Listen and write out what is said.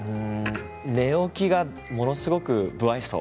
寝起きがものすごく無愛想。